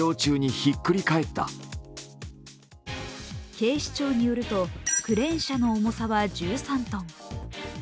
警視庁によるとクレーン車の重さは１３ｔ。